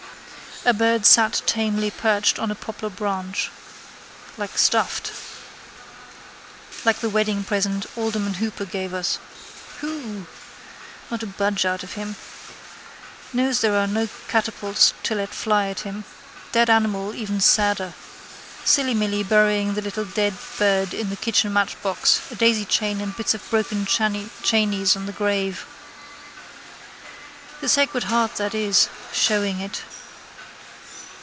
A bird sat tamely perched on a poplar branch. Like stuffed. Like the wedding present alderman Hooper gave us. Hoo! Not a budge out of him. Knows there are no catapults to let fly at him. Dead animal even sadder. Silly Milly burying the little dead bird in the kitchen matchbox, a daisychain and bits of broken chainies on the grave. The Sacred Heart that is: showing it.